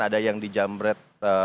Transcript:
ada yang dijamret